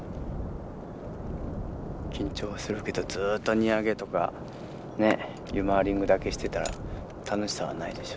緊張はするけどずっと荷揚げとかユマーリングだけしてたら楽しさがないでしょ